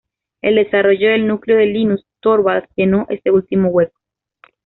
El desarrollo del núcleo de Linus Torvalds llenó ese último hueco.